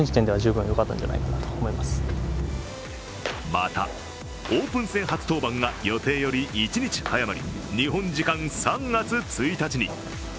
また、オープン戦初登板が予定より１日早まり、日本時間３月１日に。